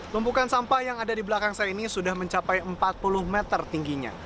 tumpukan sampah yang ada di belakang saya ini sudah mencapai empat puluh meter tingginya